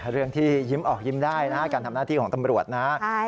เรื่องที่ยิ้มออกยิ้มได้นะการทำหน้าที่ของตำรวจนะครับ